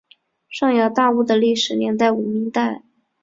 上洋大屋的历史年代为明代。